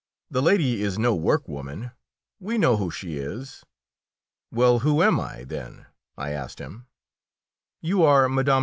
"The lady is no work woman; we know who she is!" "Well, who am I, then?" I asked him. "You are Mme.